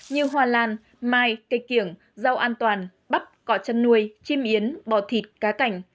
như hoa lan mai cây kiểng rau an toàn bắp cỏ chăn nuôi chim yến bò thịt cá cảnh